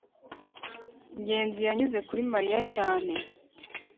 ngenzi yanyuze kuri mariya cyane